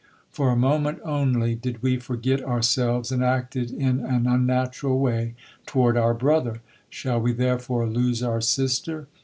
For a moment only did we forget ourselves and acted in an unnatural way toward our brother. Shall we therefore lose our sister?